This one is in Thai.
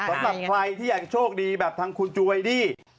สำหรับใครที่อยากโชคดีแบบทางคุณจูไวดี้